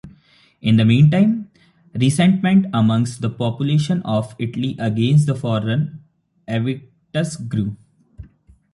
In the meantime, resentment amongst the population of Italy against the foreigner Avitus grew.